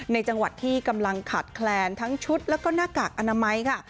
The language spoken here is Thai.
ในจังหวัดที่กำลังขาดแคลนทั้งชุดแล้วก็หน้ากากอนามัยค่ะ